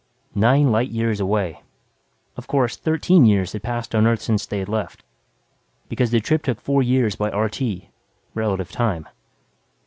Nine light years away. Of course, thirteen years had passed on Earth since they had left, because the trip took four years by RT relative time.